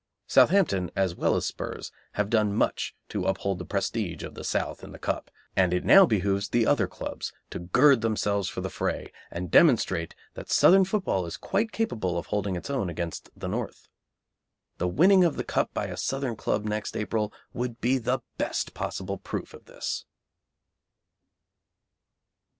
Southampton, as well as the 'Spurs, have done much to uphold the prestige of the South in the Cup, and it now behoves the other clubs to gird themselves for the fray, and demonstrate that Southern football is quite capable of holding its own against the North. The winning of the Cup by a Southern club next April would be the best possible proof of this.